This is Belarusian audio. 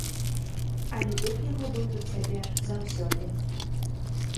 Але дух яго быў тут цяпер заўсёды.